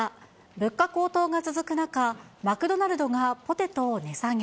物価高騰が続く中、マクドナルドがポテトを値下げ。